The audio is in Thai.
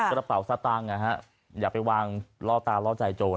กระเป๋าสตางค์อย่าไปวางล่อตาล่อใจโจร